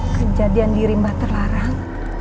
kejadian dirimba terlarang